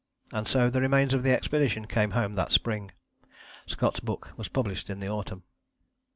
And so the remains of the expedition came home that spring. Scott's book was published in the autumn.